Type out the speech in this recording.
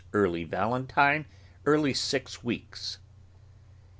( Early Valentine. ( Early Six Weeks.